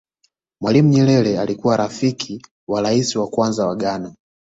mwalimu nyerere alikuwa rafiki wa rais wa kwanza wa ghana